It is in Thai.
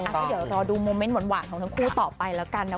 ก็เดี๋ยวรอดูโมเมนต์หวานของทั้งคู่ต่อไปแล้วกันนะ